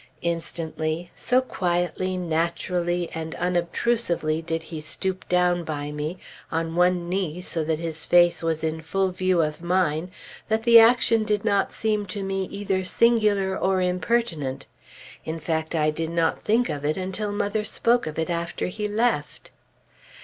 Instantly, so quietly, naturally, and unobtrusively did he stoop down by me, on one knee so that his face was in full view of mine, that the action did not seem to me either singular or impertinent in fact, I did not think of it until mother spoke of it after he left.